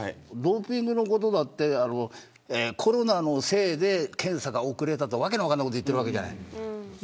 ドーピングのことだってコロナのせいで検査が遅れたとわけの分からないこと言ってるわけじゃない。